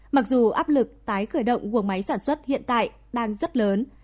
mặc dù áp lực tái khởi động buồn máy sản xuất hiện tại đang rất lớn